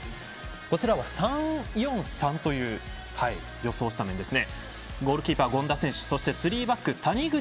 こちらは３‐４‐３という予想スタメンですね。